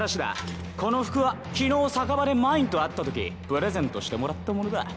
この服は昨日酒場でマインと会った時プレゼントしてもらった物だ。